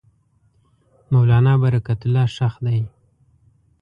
مولنا برکت الله ښخ دی.